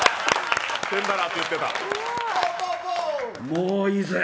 もういいぜ。